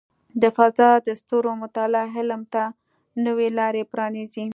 د فضاء د ستورو مطالعه علم ته نوې لارې پرانیزي.